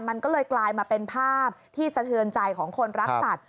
มันก็เลยกลายมาเป็นภาพที่สะเทือนใจของคนรักสัตว